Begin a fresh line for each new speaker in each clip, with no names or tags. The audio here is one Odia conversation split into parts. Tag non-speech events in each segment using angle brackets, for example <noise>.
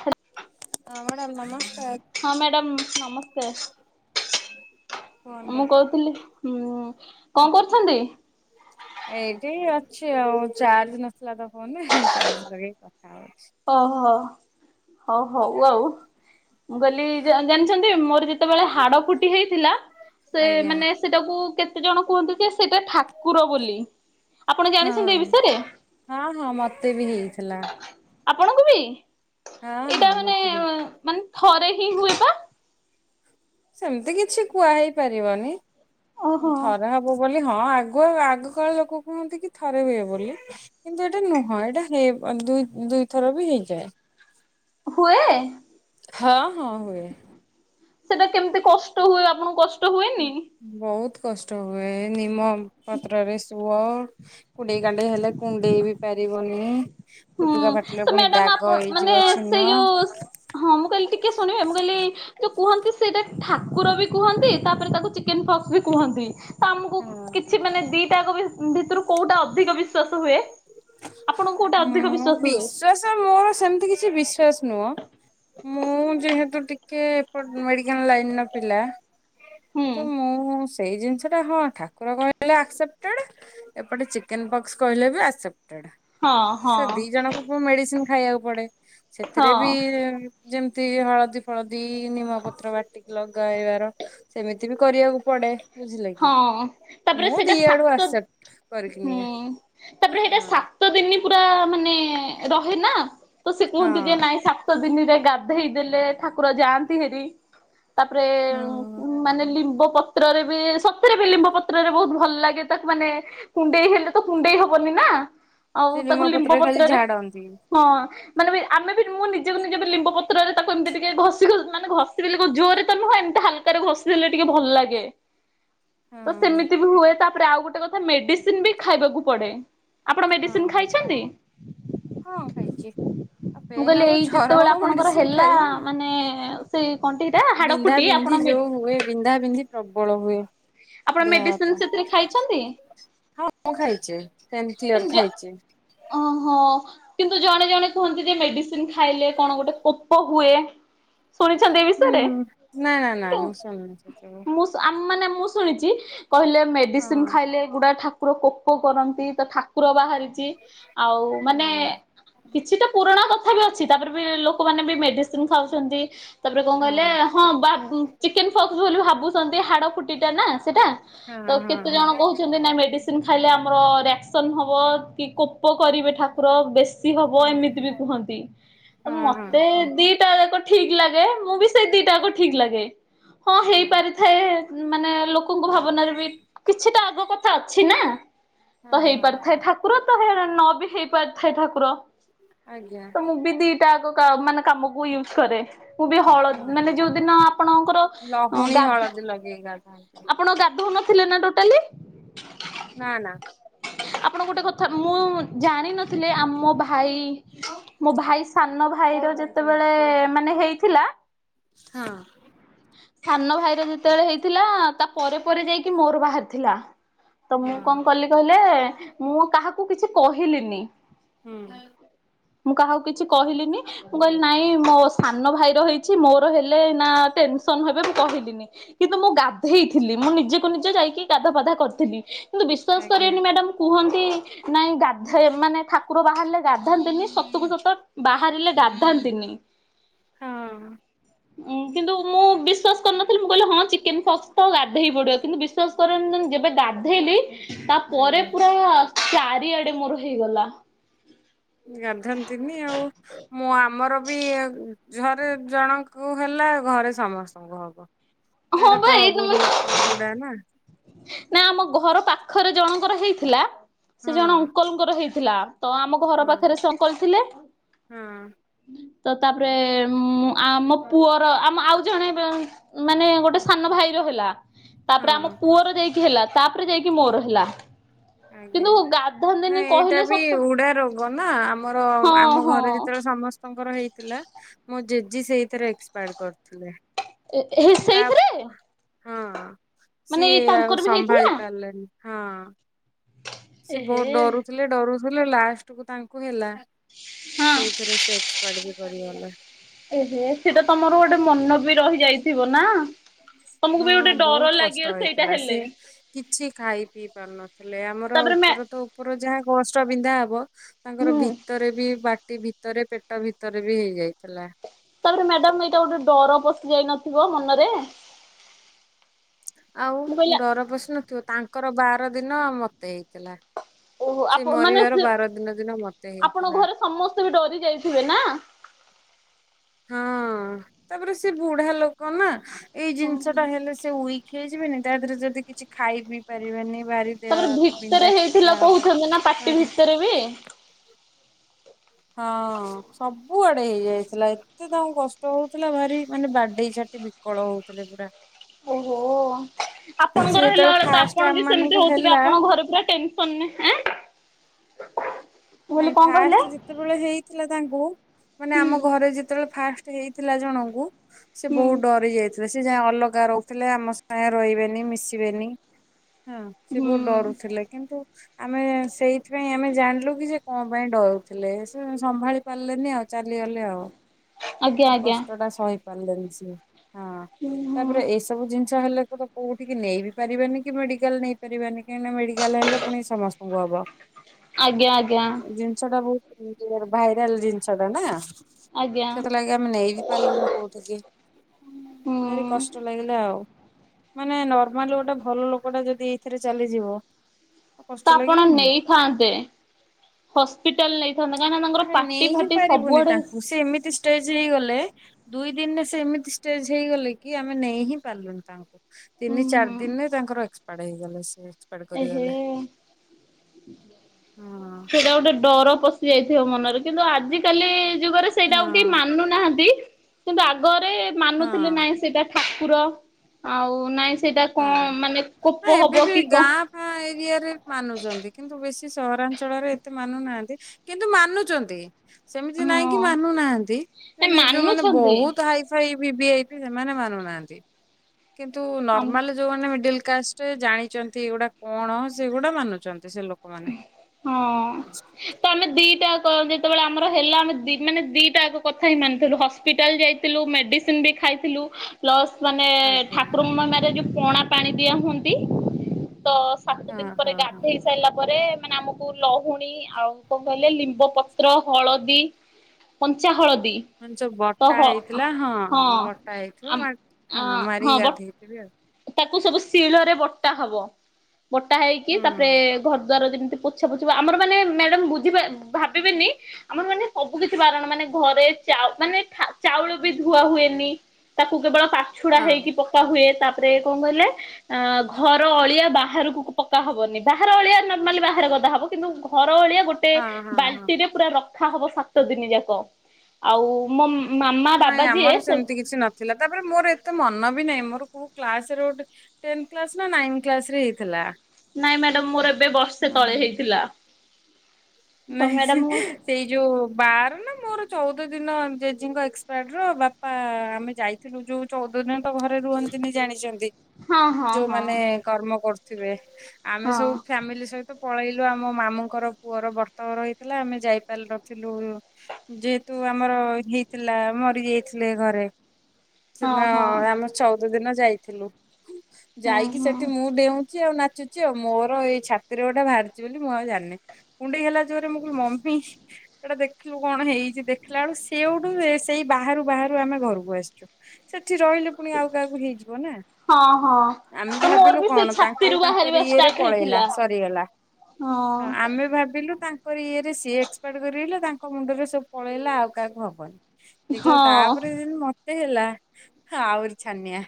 ହା।
ଆ ମ୍ୟାଡ଼ାମ ନମସ
ହଁ ମ୍ୟାଡ଼ାମ ନମସ୍କାର୍।
କୁହନ୍ତୁ।
ମୁଁ କହୁଥିଲିଁ ଉମ କଣ କରୁଛନ୍ତି।
କିଛି ଆଉ ଚାର୍ଜ ନଥିଲା ତ ଫୋନରେ ଚାର୍ଜ ଲଗେଇକି କ
ଓହୋ ହଉ। ହଉ ଆଉ। ମୁଁ କହିଲି ଜା-ଜାଣିଛନ ନ୍ତି ମୋର ଯେତେବେଳେ ହାଡ ଫୁଟି ହେଇଥିଲା ସେ
ଆଜ୍ଞା
ମାନେ ସେଟାକୁ କେ ଜଣ କୁହନ୍ତୁ କି ଯେ ସ ସେଇଟା ଠାକୁର ବୋଲି ଆପଣ
ହଁ।
ଜାଣିଛନ୍ତି ଏଇ ବିଷୟରେ।
ହଁ ହଁ ମତେ ବି ହେଇଥିଲା
ଆପଣଙ୍କୁ ବି।
ହଁ
ଏଇଟା
ହଁ
ମାନେ
ମତେ ହେଇ
ମ ମାନ ଥରେ ହିଁ ହୁଏ ବା?
ସେମିତି କିଛି କୁହା ହେଇ ପାରିବନି
ଓହୋ
ଥରେ ହବ ବୋଲି ହଁ ଆଗୁ ଆଗ କାଳ ଲୋକ କୁହନ୍ତି କି ଥରେ ହୁଏ ବୋଲି କିନ୍ତୁ ଏଇଟା ନୁହଁ ଏଇଟା ହେଇ ଦୁଇଥର ବି ହେଇଯାଏ।
ହୁଏ?
ହଁ ହଁ ହୁଏ।
ସେଟା କେମିତି କଷ୍ଟ ହୁଏ ଆପଣଙ୍କୁ କଷ୍ଟ
ଉଁ
ହୁଏନି?
ବୋହୁତ କଷ୍ଟ ହୁଏ ନିମ ପତ୍ରରେ ଶୁଅ କୁଣ୍ଡେଇ କାଣ୍ଡି ହେଲେ କୁଣ୍ଡେଇ ବି ପାରିବନି।
ହୁଁ
ଫୁଟୁକା ଫାଟିଲେ
ତ
ପୁଣି
ମ୍ୟାଡାମ
ଦାଗ
ଆପଣ ମାନେ
ହେଇଯିବ
ସେ
ଚିହ୍ନ।
ଯୋଉ ହଁ ମୁଁ କହିଲି ଟିକେ ଶୁଣିବେ ମୁଁ କହିଲି ଯୋଉ କୁହନ୍ତି ସେଇଟା ଠାକୁର ବି କୁହନ୍ତି ତାପରେ ତାକୁ ଚିକେନ ପକ୍ସ ବି କୁହନ୍ତି। ତ ଆମକୁ
ହଁ
କିଛି ମାନେ ଦିଇ ତାଙ୍କ ଭି-ଭିତୁରୁ କୋଉଟା ଅଧିକ ବିଶ୍ଵାସ ହୁଏ? ଆପଣଙ୍କୁ କୋଉଟା ଅଧିକ
ହୁ
ହୁଏ?
ବିଶ୍ଵାସ ମୋର ସେମିତି କିଛି ବିଶ୍ଵାସ ନୁହଁ। ମୁଁ ଯେହେତୁ ଟିକେ ଏପଟ ମେଡିକାଲ ଲାଇନ ର ପିଲା
ହୁଁ
ତ ମୁଁ-ସ ସେଇ ଜିନିଷଟା ହଁ ଠାକୁର କହିଲେ ଆକ୍ସେପ୍ଟେଡ୍। ଏପଟେ ଚିକେନ ପକ୍ସ କହିଲେ ବି ଆକ୍ସେପ୍ଟେ। ଟେଡ଼।
ହଁ ହଁ
ସେ ଦି ଜଣଙ୍କୁ ମେଡିସିନ ଖାଇବାକୁ ପଡେ
ହଁ
ସେଥିରେ ବି ଯେମତି ହଳଦୀ, ଫଳଦୀ, ନିମ ପତ୍ର ବାଟିକି ଲଗାଇବାର ସେମିତି ବି କରିବାକୁ ପଡେ। ବୁଝିଲେ
ହଁ
କି
ତାପରେ
ମୁଁ
ସେଇଟା
ଦି ଆଡୁ
ସାତ
ଆସେପ୍ଟ କରିକି ନିଏ।
ହୁଁ ତାପରେ ହେଇଟା
ହଁ
ସାତ ଦିନି ପୁରା ଆ ମାନେ ରହେ ନା ତ ସେ କୁହନ୍ତି ଯେ
ହଁ।
ନାଇଁ ସାତଦି ଦିନିରେ ଗାଧେଇ ଦେଲେ ଠାକୁର ଯାଆନ୍ତି ହେରି ତାପରେ
ହୁଁ।
ମାନେ ଲିମ୍ବ ପତ୍ରରେ ବି-ଇସ୍ ସତରେ ବି ଲିମ୍ବ ପତ୍ରରେ ବହୁତ ଭଲ ଲାଗେ। ତାକୁ ମାନେ କୁଣ୍ଡେଇ ହେଲେ ତ କୁଣ୍ଡେଇ ହବନି ନା ଆଉ
ସେ ନିମ
ତାକୁ ଲିମ୍ବ
ଖାଲି
ପତ୍ରରେ
ଝାଡନ୍ତି
ହଁ। ମାନେ ବି ଆମେ ବି ମୁଁ, ନିଜକୁ ନିଜେ ଲିମ୍ବ ପତ୍ରରେ ତାକୁ ଏମିତି ଟିକେ ଘଷି ମାନେ ଘଷି ଜୋରରେ ତ ନୁହେଁ, ଏମିତି ହାଲକାରେ ଘଷି ଦେଲେ ଟିକେ ଭଲ ଲାଗେ। ତ
ହଁ
ସେମିତି ବି ହୁଏ। ତାପରେ, ଆଉ ଗୁଟେ କଥ୍ ମେଡିସିନ ବି ଖାଇବାକୁ ପଡେ। ଆପଣ ମେଡିସିନ ଖାଇଛନ୍ତି?
ହଁ ଖାଇଛି। ଆଉ
ମୁଁ
ପେନ୍
କହିଲି,
ହବ
ଏଇ
ଜର
ଯେତେବେଳେ
ହବ
ଆପଣଙ୍କର
ମେଡିସିନ
ହେଲା,
ଖାଇ
ମାନେ ସେଇ କଣ୍ଠି ଟା ହାଡ
ବିନ୍ଧା
ଫୁଟି
ବିନ୍ଧି
ଆପଣ ମେ
ଯୋଉ ହୁଏ ବିନ୍ଧା ବିନ୍ଧି ପ୍ରବଳ ହୁଏ।
ଆପଣ ମେଡିସିନ୍ ସେଥିରେ ଖାଇଛନ୍ତି?
ହଁ ମୁଁ ଖାଇଛି। ପେନ୍
ତେଣ
କିଲର
ଯ
ଖାଇଛି।
ଓ ହୋ। କିନ୍ତୁ! ଜଣେ ଜଣେ କୁହନ୍ତି, ଯେ ମେଡିସି ସିନ ଖାଇଲେ କଣ ଗୋଟେ କୋପ ହୁଏ। ଶୁଣିଛନ୍ତି ଏ
ହୁଁ,
ବିଷୟରେ?
ନା, ନା, ନା ମୁଁ ଶୁଣିନି ସେସବୁ।
ମୁଁ ଆମ ମାନେ ମୁଁ ଶୁଣିଚି କହିଲେ ମେଡିସିନ ଖାଇଲେ, ଗୁଡା ଠା କୁର କୋପ କରନ୍ତି। ତ ଠାକୁର ବାହାରି ଚି, ଆଉ ମାନେ
ହଁ।
କିଛି ତ ପୁରୁଣା କଥା ବି ଅଛି। ତାପରେ ବି ଲୋ ଲୋକମାନେ ବି ମେଡିସିନ ଖାଉଛନ୍ତି। ତାପରେ କଣ କହିଲେ, ହଁ ବା ଚିକେନ୍ ଫକ୍ସ ବୋଲି ଭାବୁସନ୍ତି। ହାଡ ଫୁଟିଟା ନା ସେଟା ତ କେତେ
ହଁ
ଜଣ
ହଁ।
କହୁଛନ୍ତି। ନା ମେଡିସିନ ଖାଇଲେ ଆମର ରିଆକ କୀର୍ତ୍ତନ ହବ କି କୋପ କରିବେ ଠାକୁର ବେଶୀ ହବ
ହଁ
ଏମିତି
ହଁ
ବି କୁହନ୍ତି।
ହଁ ହଁ
ମତେ ଦିଟା କାଇଁ ତ ଠିକ ଲାଗେ। ମୁଁ ବି ସେ ଦିଟାକୁ ଠିକ୍ ଲାଗେ। ହଁ ହେଇପାରିଥାଏ ମାନେ ଲୋକଙ୍କ ଭାବନାରେ ବି କିଛିଟା ଆଗ କଥା ଅଛି ନା। ତ
ହଁ ହଁ
ହେଇପାରିଥାଏ ଠାକୁର ତ ହଇରାଣ ନ ବି ହେଇପାରିଥାଏ ଠାକୁର।
ଆଜ୍ଞା।
ମୁଁ ବି ତ ଦିଟା ଆଗ କା ମାନେ କାମକୁ ୟୁଜ୍ କରେ। ମୁଁ ବି ହଳଦୀ
ହଁ।
ମାନେ ଯୋଉଦିନ ଆପଣଙ୍କର
ଲହୁଣୀ
ଗାଧ୍
ହଳଦୀ ଲଗେଇ ଗାଧାନ୍ତି
ଆପଣଙ୍କ ଗାଧୋଉନ ଫ୍ରୀ ନା ଟୋଟାଲି।
ନା ନା।
ଆପଣ ଗୋଟେ କଥା ମୁଁ ଜାଣିନଥିଲି ଆମ ଭାଇ ମୋ ଭାଇ ସାନ ଭାଇର ଯେତେବେଳେ ମାନେ ହେଇଥିଲା
ହଁ।
ସାନ ଭାଇର ଯେତେବେଳେ ହେଇଥିଲା। ତା ପରେ ପରେ ଯାଇକି ମୋର ବାହାରିଥିଲା। ତ ମୁଁ
ହଁ
କଣ କଲିି ହେଲେ ମୁଁ କାହାକୁ କିଛି କହିଲିନି।
ହୁଁ।
ମୁଁ କାହାକୁ କିଛି କହିଲିନି। ମୁଁ କହିଲି ନାଇଁ ମୋ ସାନ ଭାଇ ର ହେଇଚି ମୋର ହେଲେ ନା ଟେନସନ ହେବେ ମୁଁ କହିଲିନି। କିନ୍ତୁ ମୁଁ ଗାଧେଇଥିଲି ମୁଁ ନିଜକୁ ନିଜେ ଯାଇକି ଗାଧା ପାଧା କରିଥିଲି କିନ୍ତୁ ବିଶ୍ୱାସ
ଆଜ୍ଞା
କରିବେନି ମ୍ୟାଡ଼ମ କୁହନ୍ତି ନାଇଁ ଗାଧେ ମାନେ ଠାକୁର ବାହାରିଲେ ଗାଧାନ୍ତିନି ସତକୁ ସତ ବାହାରିଲେ ଗାଧାନ୍ତିନି।
ହଁ।
ଉଁ କିନ୍ତୁ ମୁଁ ବିଶ୍ଵାସ କରିନଥିଲି ମୁଁ କହିଲି ହଁ ଚିକେନ ଫକସ୍ ତ ଗାଧେଇ ପଡିବ କିନ୍ତୁ ବିଶ୍ଵାସ କରନ୍ତିନି ଯେବେ ଗାଧେଇଲି ତାପରେ
ଆଜ୍ଞା
ପୁରା ଚାରିଆଡେ ମୋର ହେଇଗଲା।
ଗାଧାନ୍ତିନି ଆଉ ମୁଁ ଆମର ବି ଘରେ ଜଣଙ୍କୁ ହେଲା ଘରେ ସମସ୍ତଙ୍କୁ ହବ।
ହଁ
ଏଇଟା
ବା
ତ
ଏଇ
ବହୁତ ଉଡା ନା।
ନା ଆମ ଘର ପାଖରେ ଜଣଙ୍କର ହେଇଥିଲା। ସେ
ହଁ
ଜଣେ ଅଙ୍କଲ୍ ଙ୍କର ହେଇଥିଲା। ଥିଲା। ତ ଆମ ଘର
ହଁ
ପାଖରେ ସେ ଅଙ୍କଲ୍ ଥିଲେ।
ହଁ
ତ ତାପରେ ଉମ୍ ଆମ ପୁଅର ଆମ ଆଉ ଜଣେ ମାନେ ଗୋଟେ ସାନ ଭାଇର ହେଲା। ତାପରେ ଆମ
ହଁ।
ଯାଇକି ହେଲା ତାପରେ ଯାଇକି ମୋର ହେଲା।
ଆଜ୍ଞା
କିନ୍ତୁ
ନାଁ
ଗାଧାନ୍ତିନି
ଏଇଟା
କହିଲେ
ବି
ସତ
ଉଡ଼ା ରୋଗ ନାଁ ଆମର
ହଁ
ଆମ ଘରେ
ହଁ।
ଯେତେଳେ ସମସ୍ତଁ କର ହେଇଥିଲା ଜେଜେ ସେଇଥିରେ ଏକ୍ସପାର୍ଡ କର୍
ଏ ହେ ସେଇଥିରେ?
ହଁ।
ମାନେ
ସିଏ
ଏଇ
ଆଉ
ତାଙ୍କର ବି ହେଇଥିଲା?
ସମ୍ଭାଳି ପାରିଲାନି। ହଁ। ସେ
ଏହେ
ବୋହୁତ ଡରୁଥିଲେ ଡରୁ ଥୁଲେ ଲାଷ୍ଟକୁ ତାଙ୍କୁ ହେଲା। ସେଇଥିର ସେ ଏକ୍ସପାର୍ଡ଼୍ ବି କରିଗଲେ।
ଏହେ ସେଟା ତମର ଗୋଟେ ମନ ବି ରହି ଯାଇଥିବ। ନାଁ?
ହଁ ବୋହୁତ କଷ୍ଟ ହେଇଥିଲା
ହେଲେ
ସିଏ କିଛି ଖାଇ ପିଇ ପାରୁନଥୁଲେ ଆମର
ତାପରେ ମ୍ୟା
ଉପର ତ ଉପର ଯାହା କଷ୍ଟ ବିନ୍ଧା ହବ ତାଙ୍କର
ହୁଁ
ଭିତରେ ବି ବା ଟି ଭିତରେ ପେଟ ଭିତରେ ବି ହେଇଯାଇଥିଲା।
ତାପରେ ମ୍ୟାଡମ ଏଇଟା ଗୋଟେ ଡର ପଶି ଯାଇନଥିବ ମନରେ?
ଆଉ
ମୁଁ କହିଲି
ଡର ପସୁନଥୁବ ତାଁ- କର ବାର ଦିନ ମତେ ହେଇଥିଲା।
ଓହୋ
ସେ
ଆପ ମାନେ
ମରିବାର
ସେ
ବାର ଦିନ ଦିନ ମତେ
ଆପଣ
ହେଇଥିଲା
ଘରେ ସମସ୍ତେ ବି ଡରି ଯାଇଥିବେ। ନାଁ?
ହଁ ତାପରେ ସେ ବୁଢ଼ା ଲୋକ ନାଁ ଏଇ
ଓହୋ
ଜିନିଷଟା ହେଲେ ସେ ଉଇ ହେଇ ଯିବେନି ତା ଧେରେ ଯଦି କିଛି ଖାଇ ପିଇ ପାରିବେନି। ଭାରି ଦେହ
ତାପରେ
ହାତ
ଭିତରେ
ବିନ୍ଧା ଛିଟିକା
ହେଇଥିଲା
ହବ।
କୋହୁଛନ୍ତି ନାଁ ପାଟି
ଭାରି
ଭିତରେ ବି।
ହଁ ସବୁଆଡ଼େ ହେଇଯାଇଥିଲା ଏତେ ତାଙ୍କୁ କଷ୍ଟ ହୋଉଥୁଲା ଭାରି ମାନେ ବାଡ଼େଇ ଛାଟି ବିକଳ ହୋଉଥୁଲେ ପୁରା।
ଓହୋ
ସେ
ଆପଣଙ୍କର ହେଲା
ଯେତେବେଳେ
ଅଳେ ତ
ଫାଷ୍ଟ
ଆପଣ
ଆମ
ବି ସେମତି
ମାନଙ୍କୁ
ହୋଉଥୁବେ
ହେଲା
ଆପଣ ଘରେ ପୁରା ଟେନସନରେ ଆଁ ମୁଁ କହିଲି
ନାଇଁ
କଣ କହିଲେ?
ଫାଷ୍ଟ ଯେତେବେଳେ ହେଇଥିଲା ତାଙ୍କୁ ମାନେ
ହୁଁ
ଆମ ଘରେ ଯେତେବେଳେ ଫାଷ୍ ତେ ହେଇଥିଲା ଜଣଙ୍କୁ ସେ
ହୁଁ
ବୋହୁତ ଡରି ଯାଇଥି ସେ ଯାହା ଅଲଗା ରହୁଥୁଲେ ଆମ ସାଙ୍ଗେ ରହିବେନି ମିଶିବେନି। ହୁଁ ସେ ବୋହୁତ
ହୁଁ
ଡରୁଥିଲେ କିନ୍ତୁ ଆମେ ସେଇଥିପାଇଁ ଆମେ ଜାଣିଲୁ କି ସେ କଁ ପାଇଁ ଡରୁଥୁଲେ। ସେ ସମ୍ଭାଳି ପାରିଲେନି ଆଉ। ଚାଲିଗଲେ ଆଉ।
ଆଜ୍ଞା ଆଜ୍ଞା
କଷ୍ଟଟା ସହି ପାରଲେନି ସିଏ। ହଁ
ହୁଁ ହୁଁ।
ତାପରେ ଏସବୁ ଜିନ୍ ଛ ହେଲେ କୋଟେ କୋଉଠିକି ନେଇ ବି ପାରିବାନି କି ମେଡ଼ିକାଲ୍ ନେଇ ପାରିବାନି। ଏଇନେ ମେଡିକାଲ ହେଲେ ପୁଣି ସମସ୍ତେ ଉ ବା ବା।
ଆଜ୍ଞା ଆ।
ଜିନଷ ଟା ବହୁତ୍ ଭାଇରଲ ଜିନଷଟା ନା।
ଆଜ୍ଞା
ସେତ ଲାଗି ଆମେ ନେଇ ବି ପାରିଲୁନି କୋଉଠିକି।
ହୁଁ।
ଭାରି କଷ୍ଟ ଲାଗିଲା ଆଉ। ମାନେ ନର୍ମାଲ ଗୋଟେ ଭଲ ଲୋକଟା ଯଦି ଏଇଥିରେ ଚାଲିଯିବ
ତ
କଷ୍ଟ
ଆପଣ
ଲାଗିବନି
ନେଇଥାନ୍ତେ। ହସ୍ପିଟାଲ୍ ନେ ଥାନ୍ତା କାହିଁ ନା ତାଙ୍କର
ଆମେ ନେଇ
ପାଟି
ହିଁ
ଫାଟି
ପାରିବୁନି
ସବୁଆଡେ
ତାଙ୍କୁ ସେ ଏମିତି ଷ୍ଟେଜ ହେଇଗଲେ। ଦୁଇ ଦିନରେ ସେ ଏମିତି ଷ୍ଟେଜ ହେଇଗଲେ କି ଆମେ ନେଇ ହିଁ ପାରିଲୁନି ତାଙ୍କୁ। ତିନି ଚାରି ଦିନରେ ତାଙ୍କର ଏକ୍ସ ପାର୍ଡ ହେଇଗଲେ ସେ ଏକ୍ସପାର୍ଡ
ଏ ହେ
କରିଗଲେ। ହଁ
ସେଇଟା ଗୋଟେ ଡର ପଶ୍ ଯାଇଥିବ ମନରେ। କିନ୍ତୁ ଆଜିିକାଲି ଯୁଗରେ ସେଇଟା
ହଁ
ଆଉ କେହି ମାନୁ ନାହାନ୍ତି। କିନ୍ତୁ ଆଗ <unintelligible>
ହଁ
ମାନୁଥିଲେ ନାଇଁ ସେଇଟା କି ଠାକୁର ଆଉ ନାଇଁ ସ୍ ସେଇଟା
ହଁ।
କଣ ମାନେ କୋପ ହବ କି କଁ?
ଆଁ ଏରିଆ ରେ ମାନୁଚନ୍ତି। କିନ୍ତୁ ବେଶୀ ସହରାଞ୍ଚଳରେ ଏତେ ମାନୁନାହାନ୍ତି। କିନ୍ତୁ ମାନୁଚନ୍ତି। ସେମିତି ନାହିଁ କି
ହଁ।
ମାନୁନାହାନ୍ତି
ନାଇଁ
ମାନେ ଯୋଉମାନେ
ମାନୁଛନ୍ତି
ବହୁତ hi fi V V I P ସେମାନେ ମାନୁନାହାନ୍ତି କିନ୍ତୁ
ଆମ୍
ମାଲୋ ଯୋଉ ମାନେ ମିଡିଲ କାଷ୍ଟ ଜାଣିଚନ୍ତି ଏଗୁଡା କଣ ସେଗୁଡା ମାନୁଚନ୍ତି।
ଉହୁ ହଁ ତମେ ଦି ଟା କଲ୍ ରେ ସେତେବେଳେ ଆମର ହେଲା ଆମେ ଦି ମାନେ ଦିଟା ଯାକ କଥା ହିଁ ମାନିଥିଲୁ ହସ୍ପିଟାଲ୍ ଯାଇଥିଲୁ ମେଡ଼ିସିନ୍ ବି ଖାଇଥିଲୁ ପ୍ଲସ୍ ମାନେ
ଆଜ୍ଞା
ଠାକୁରଙ୍କୁ ମ ମାରିବାକୁ ଯିବୁ ପଣା ପାଣି ଦିଆ ହୁଅନ୍ତି। ତ ସାତ
ହଁ
ଦିନ ପରେ
ହଁ ହଁ
ଗାଧେଇ ସାଇଲା ତା ପରେ ମାନେ ଆମକୁ ଲହୁଣୀ ଆଉ କଣ କହିଲେ ଲିମ୍ବ ପତ୍ର, ହଳଦୀ, କଞ୍ଚା ହଳଦୀ
ମାନେ ଯୋଉ
ତ
ବଟା
ହ
ହେଇଥିଲା ହଁ ବଟା
ଆମ
ହେଇଥିବ ହଁ ମାରି ଗାଧେଇ ଥିବି ଆଉ
ତାକୁ ସବୁ ଶିଳରେ ବଟା ହବ ବଟା ହେଇକି
ହୁଁ
ତାପରେ ଏ ଘର ଦ୍ୱାର ଯେମିତି ପୋଛା ପୋଛି ହବ। ଆମର ମାନେ ମ୍ୟାଡମ୍ ବୁଝ ବେନି ଭାବିବେନି ଆମର ମାନେ ସବୁ କିଛି ବାରଣ ମାନେ ଘରେ ମାନେ ଚାଉଳ ବି ଧୁଆ ହୁଏନି ତାକୁ କେବଳ ପାଛୁଡ଼ା
ହଁ
ହୋଇକି ପକା ହୁଏ। ତା ରେ କଣ କହିଲେ ଘର ଅଳିଆ ବାହାରକୁ ପକା ହବନି ବାହାର ଅଳିଆ ନର୍ମାଲ ବାହାରେ ଗଦା ହବ କିନ୍ତୁ <inaudible> ଅଳିଆ ଗୋଟେ
ହଁ ହଁ ହଁ।
ବାଲ୍ଟିର ପୂରା ର କଥ ହବ ସାତ ଦିନି ଯାକ ଆଉ ମମ୍
ନାଇଁ ଆମର ସେମିତି କିଛି ନଥିଲା ତାପରେ ମୋର ଏତେ ମନ ବି ନାହିଁ ମୋର କୋଉ କ୍ଲାସ ରେ ଗୋଟେ ଟେନ୍ କ୍ଲାସ୍ ନା ନାଇନ୍ କ୍ଲାସ ରେ ହେଇଥିଲା।
ନାଇଁ ମ୍ୟାଡାମ ମୋର ଏବେ ବର୍ଷେ ତଳେ ହେଇଥିଲା। ତ
ନାଇଁ ସେ
ମ୍ୟାଡାମ
ସେଇ ଯୋଉ ବାର ନା ମୋର ଚଉଦ ଯୋଉ ଦିନ ଜେଜିଙ୍କ ଏକ୍ସପାଏଡ ର ବାପା ଆମେ ଯାଇଥିଲୁ ଯୋଉ ଚଉଦ ଦିନ ତ ଘରେ ରୁହନ୍ତିନି ଜାଣିଛନ୍ତି।
ହଁ
<inaudible>
ହଁ ହଁ
ଯୋଉମାନୋନ କର୍ମ କରୁ ଥିବେ ଆମେ ସବୁ
ହଁ
ଫ୍ୟାମିଲି ସହିତ ପଳେଇଲୁ ଆମ ମାମୁଙ୍କର ପୁଅର ବ୍ରତ ତମର ହେଇଥିଲା ଆମେ ଯାଇପାରିନଥିଲୁ ଉଁ ଯେହେତୁ ଆମର ହେଇଥିଲା ମରି ଯାଇଥିଲେ ଘରେ ସେ
ହଁ
ଦିନ
ହଁ।
ଆମର ଚ ଦିନ ଯାଇଥିଲୁ।
ଓ
ଯାଇକି
ହୋ
ସେଠି ମୁଁ ଡେଉ ଆଉ ନାଚୁଛି ଆଉ ମୋର ଏଇ ଛାତିରେ ଗୋଟେ ବାହାରିଛି ବୋଲି ମୁଁ ଆଉ ଜାଣିନି କୁଣ୍ଡେଇ ହେଲା ମୋର ମୁଁ କହିଲି ମମି ଏଟା ଦେଖିଲୁ କଣ ହେଇଛି ଦେଖିଲା ବେଳୁ ସେଠୁ ସେଇ ବାହାରୁ ବାହାରୁ ଆମେ ଘରକୁ ଆସିଛୁ ସେ ସେଠି ରହିଲେ ପୁଣି ଆଉ କାହାକୁ ହେଇଯିବ ନା
ହଁ ହଁ
ଆମେ
ତ ମୋର
ଭାବିଲୁ
ବି
କଣ
ସେଇ
ତାଙ୍କ ରି
ଛାତିରୁ
ତାଙ୍କର
ବାହାରିବା
ଇଏରେ
ଷ୍ଟାର୍ଟ
ପଳେଇଲା
ହେଇଥିଲା।
ସରିଗଲା
ହଁ
ଆମେ ଭାବିଲୁ ତାଙ୍କରି ଇଏରେ ସିଏ ଏକ୍ସପାର୍ଟ କରିଗଲେ ତାଙ୍କ ମୁଣ୍ଡରୁ ସବୁ ପଳେଇଲା ଆଉ କାହାକୁ ହବନି। ଦେଖିଲା
ହଁ।
ତାପରେ ଦିନେ ହେଲା ଆଉରି ଛାନିଆ।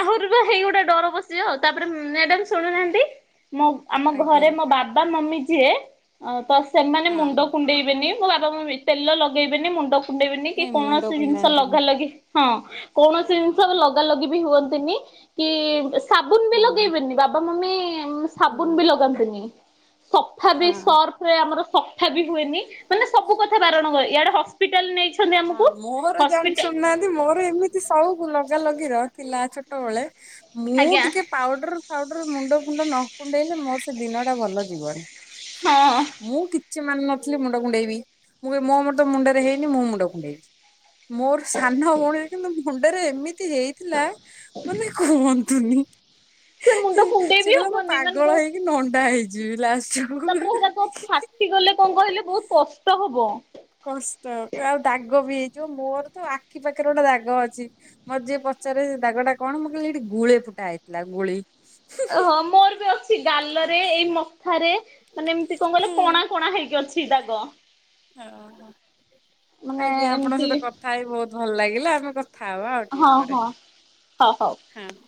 ଆହୁରି ହେଇ ଗୋଟେ ଡର ବସିଜିବା ଆଉ ତାପରେ ମ୍ୟାଡ ଶୁଣୁନାହାନ୍ତି ମୁଁ ଆମ ଘରେ
ଆଜ୍ଞା।
ମୋ ବାବା ମମି ଯିଏ ତ ସେମାନେ
ହଁ
ମୁଣ୍ଡ
ହଁ
କୁଣ୍ଡେଇବେନି ମୋ ବାପା ତେଲ ଲଗେଇବେନି ମୁଣ୍ଡ କୁଣ୍ଡେଇବେନି କି
ନାଇଁ ମୁଣ୍ଡ
କୌଣସି ଜିନିଷ
କୁଣ୍ଡାନ୍ତିନି
ଲଗା ଲଗି ହଁ କୌଣସି ଜିନିଷ ଲଗା ଲଗିବି ହୁଅନ୍ତି ନି। ତିନି କି ସାବୁନ ବି
ହଁ
ଲଗେଇବେନି ବାବା ମମି
ହଁ
ସାବୁନ ବି ଲଗାନ୍ତିନି। ସଫା ବି
ହଁ।
ସର୍ଫ ରେ ଆମର ସଫା ବି ହୁଏନି। ମାନେ ସବୁ କଥା ବାରଣ କ ଇଆଡ଼େ ହସ୍ପିଟାଲ ନେଇକି
ହଁ ମୋର ଜାଣି ଶୁଣୁନାହାନ୍ତି ମୋର ଏମିତି ସଉକ ଲଗା ଲଗି ର ଥିଲା। ଛୋ ଛୋଟ ବେଳେ ମୁଁ
ଆଜ୍ଞା
ଟିକେ ପାଉଡର ଫାଉଡର ମୁଣ୍ଡ ଫୁଣ୍ଡ ନ କୁଣ୍ଡେଇଲେ ମୋର ସେ ଦିନ ଟା ଭଲ ଯିବନି।
ହଁ।
<inaudible> ମୁଁ କି କିଛି ମାନୁନଥିଲି ମୁଣ୍ଡ କୁଣ୍ଡେଇ ବିି ମୁଁ ମୁଣ୍ଡ ମୁଣ୍ଡରେ ହେଇନି ମୁଁ ମୁଣ୍ଡକୁ <inaudible> ମୋର ସାନ ଭଉଣୀ କିନ୍ତୁ ମୁଣ୍ଡରେ ଏମି ହେଇଥିଲା ମାନେ କୁହ <unintelligible>
ସେ ମୁଣ୍ଡ କୁଣ୍ଡେଇ
ସେ
ବି
କହିଲା ମୁ
ହବନି ମାନେ
ପାଗଳ
ବହୁତ
ହେଇକି ନଣ୍ଡା ହେଇଯିବି ଲାଷ୍ଟୁକୁ। ହିଁ
ତାପରେ ହେରାକ
ହିଁ ହିଁ
ଫାଟି ଗଲେ କଣ କହିଲେ ବହୁତ କଷ୍ଟ ହବ।
କଷ୍ଟ ଆଉ ଦାଗ ବି ହେଇଯିବ ମୋର ତ ଆଖି ପାଖରେ ଗୋଟେ ଦାଗ ଅଛି। ମୋର ଯିଏ ପଚାରେ ସେ ଦାଗ ଟା କଣ? ମୁଁ କହିଲି ଏଠି ଗୁଳେ ଫୁଟା ହେଇଥିଲା ଗୁଳି।
ହଁ ମୋର ବି ଅଛି ଗାଲରେ ଏଇ ମଥାରେ। ମାନେ ଏମିତି କଣ କହିଲ
ହୁଁ
କଣା କଣା ହେଇକି ଅଛି ଦାଗ
ହଁ
ମାନେ
ଆଜ୍ଞା ଆପଣଙ୍କ
ଏମିତି
ସହିତ କଥା ହେଇ ବହୁତ ଭଲ ଲାଗିଲା। ଆମେ କଥା ହବା ଆଉ ଟିକେ
ହଁ
ପରେ
ହଁ ହଉ ହଉ।
ହଁ। <inaudible>